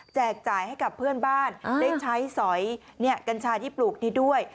จ่ายให้กับเพื่อนบ้านได้ใช้สอยกัญชาที่ปลูกนี้ด้วย